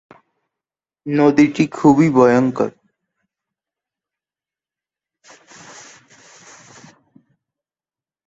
নদীটি খুবই ভয়ঙ্কর।